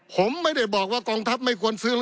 ปี๑เกณฑ์ทหารแสน๒